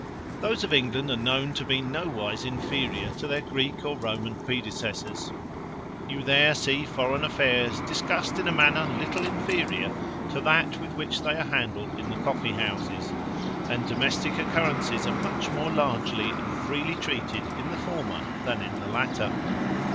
Those of England are known to be no wise inferior to their Greek or Roman predecessors. You there see foreign affairs discussed in a manner little inferior to that with which they are handled in the coffee houses; and domestic occurrences are much more largely and freely treated in the former than in the latter.